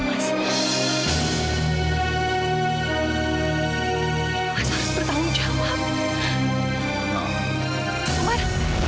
mas harus bertanggung jawab